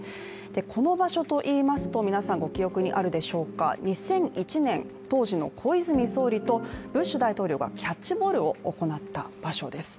この場所といいますと皆さんご記憶にあるでしょうか、２００１年、当時の小泉総理とブッシュ大統領がキャッチボールを行った場所です。